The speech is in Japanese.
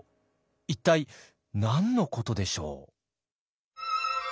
一体何のことでしょう？